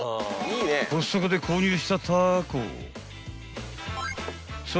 ［コストコで購入したタコ］